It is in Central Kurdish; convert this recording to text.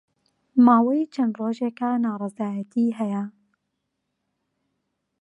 ماوەی چەند ڕۆژێکە ناڕەزایەتی ھەیە